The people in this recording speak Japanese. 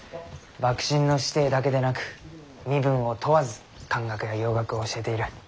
幕臣の子弟だけでなく身分を問わず漢学や洋学を教えている。